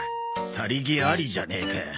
「さりげあり」じゃねえか。